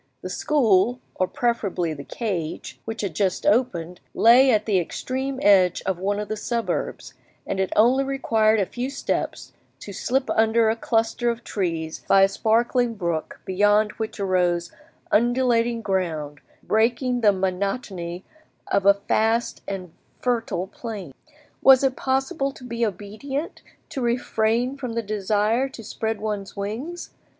The school, or preferably the cage, which had just opened, lay at the extreme edge of one of the suburbs, and it only required a few steps to slip under a cluster of trees by a sparkling brook beyond which rose undulating ground, breaking the monotony of a vast and fertile plain. Was it possible to be obedient, to refrain from the desire to spread one's wings?